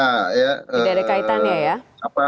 tidak ada kaitannya ya